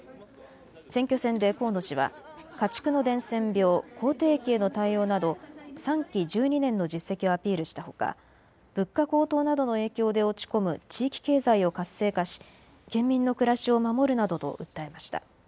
選挙戦で河野氏は家畜の伝染病口てい疫への対応など３期１２年の実績をアピールしたほか物価高騰などの影響で落ち込む地域経済を活性化し県民の暮らしを守るなどと訴えました。